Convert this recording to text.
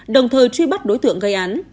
đồng thời truy bắt đối tượng gây án